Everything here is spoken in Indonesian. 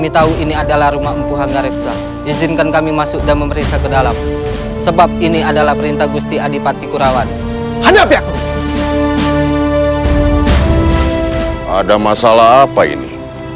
tidak ada orang lain lagi di sini